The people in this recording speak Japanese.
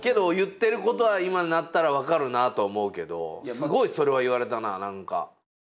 すごいそれは言われたな何か。